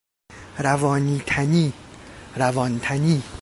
روانی - تنی، روان تنی